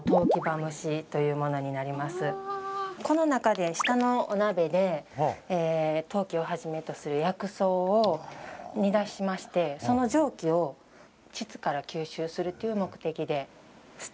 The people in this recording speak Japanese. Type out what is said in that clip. この中で下のお鍋で当帰をはじめとする薬草を煮出しましてその蒸気を、ちつから吸収するという目的で。